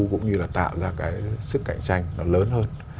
cũng như là tạo ra cái sức cạnh tranh nó lớn hơn